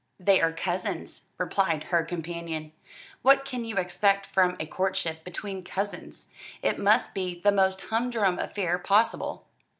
"They are cousins," replied her companion. "What can you expect from a courtship between cousins? It must be the most humdrum affair possible."